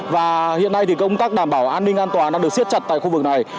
và hiện nay thì công tác đảm bảo an ninh an toàn đang được siết chặt tại khu vực này